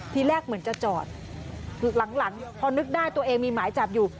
ทีแรกเหมือนจะจอดหลังพอนึกได้ตัวเองมีหมายจับอยู่